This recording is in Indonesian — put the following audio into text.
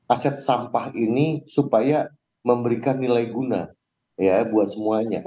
aset sampah ini supaya memberikan nilai guna ya buat semuanya